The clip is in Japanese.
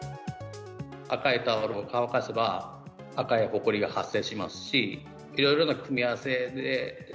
赤いタオルを乾かせば赤いほこりが発生しますし、いろいろな組み合わせで。